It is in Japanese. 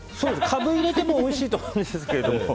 カブ入れてもおいしいと思うんですけど。